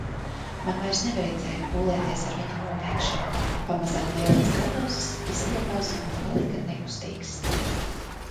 Man vairs nevajadzēja pūlēties ar viņa nobeigšanu, pamazām lielais garausis izstiepās un palika nekustīgs.